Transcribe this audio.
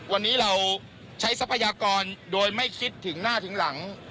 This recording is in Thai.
วันนี้เราใช้ทรัพยากรโดยไม่คิดถึงหน้าถึงหลัง